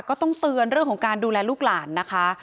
ก็ต้องเตือนเรื่องของการดูแลลูกหลานนะคะ